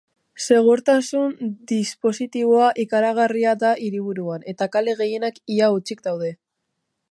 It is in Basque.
Segurtasun dispositiboa ikaragarria da hiriburuan, eta kale gehienak ia hutsik daude.